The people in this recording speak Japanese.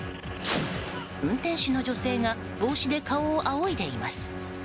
運転手の女性が帽子で顔をあおいでいます。